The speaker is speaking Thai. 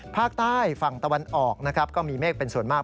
ภาคใต้ฝั่งตะวันออกนะครับก็มีเมฆเป็นส่วนมาก